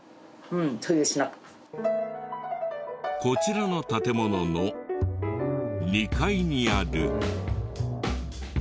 こちらの建物の２階にある。